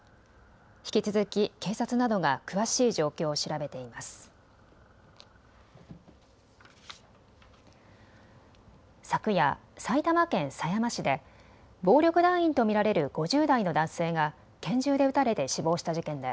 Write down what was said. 引き続き警察などが詳しい状況を調べています。